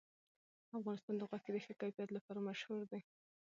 افغانستان د غوښې د ښه کیفیت لپاره مشهور دی.